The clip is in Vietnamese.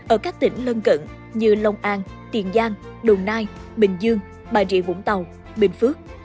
ở các tỉnh lân cận như long an tiền giang đồng nai bình dương bà rịa vũng tàu bình phước